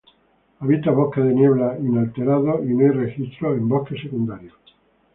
Habita bosques de niebla inalterados y no hay registros en bosques secundarios.